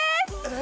え